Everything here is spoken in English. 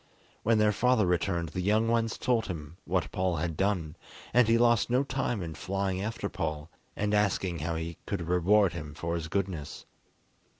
When their father returned the young ones told him what Paul had done, and he lost no time in flying after Paul, and asking how he could reward him for his goodness.